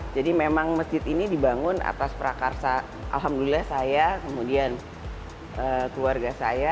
memang masjid ini dibangun atas prakarsa alhamdulillah saya kemudian keluarga saya